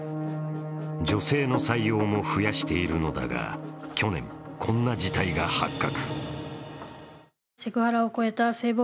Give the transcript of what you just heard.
女性の採用も増やしているのだが去年、こんな事態が発覚。